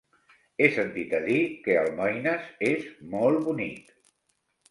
He sentit a dir que Almoines és molt bonic.